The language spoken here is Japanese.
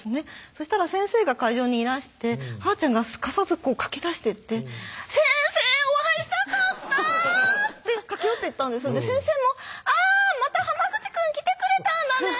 そしたら先生が会場にいらしてはーちゃんがすかさず駆けだしてって「先生お会いしたかった！」って駆け寄っていったんです先生も「あぁまた口くん来てくれたんだね！」